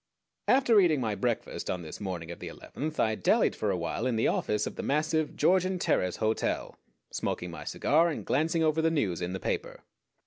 After eating my breakfast on this morning of the eleventh I dallied for awhile in the office of the massive Georgian Terrace Hotel, smoking my cigar, and glancing over the news in the paper.